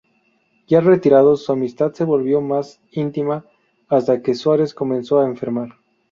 Ya retirados, su amistad se volvió más íntima, hasta que Suárez comenzó a enfermar.